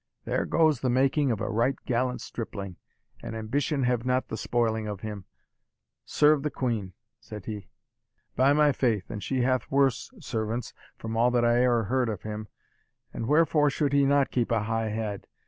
"There goes the making of a right gallant stripling, an ambition have not the spoiling of him Serve the Queen! said he. By my faith, and she hath worse servants, from all that I e'er heard of him. And wherefore should he not keep a high head?